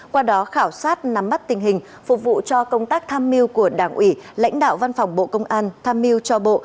qua đó khảo sát nắm bắt tình hình phục vụ cho công tác tham mưu của đảng ủy lãnh đạo văn phòng bộ công an tham mưu cho bộ